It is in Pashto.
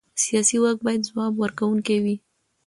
سیاسي واک باید ځواب ورکوونکی وي